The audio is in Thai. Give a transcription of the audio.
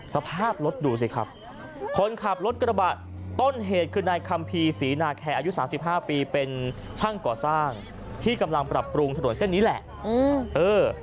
สภาพรถดูสิครับคนขับรถกระบะต้นเหตุคือนายคัมภีร์ศรีนาแคร์อายุสามสิบห้าปีเป็นช่างก่อสร้างที่กำลังปรับปรุงถนนเส้นนี้แหละ